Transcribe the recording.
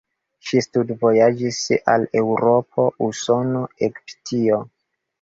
Ŝi studvojaĝis al Eŭropo, Usono, Egiptio.